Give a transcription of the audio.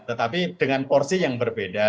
tetapi dengan porsi yang berbeda